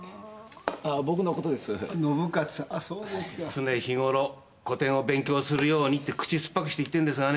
常日ごろ「古典を勉強するように」って口酸っぱくして言ってんですがね。